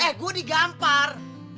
eh gua digampar